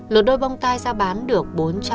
lột đôi bông tai ra bán được bốn trăm năm mươi